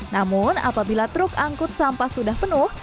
namun apabila truk angkut sampah sudah penuh